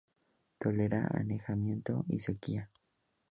Tolera anegamiento y sequía.